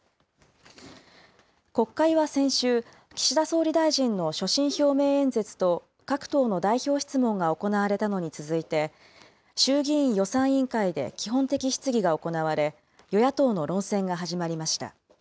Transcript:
国会は先週、岸田総理大臣の所信表明演説と、各党の代表質問が行われたのに続いて、衆議院予算委員会で基本的質疑が行われ、与野党の論戦が始まりました。